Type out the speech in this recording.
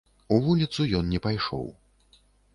У вуліцу ён не пайшоў.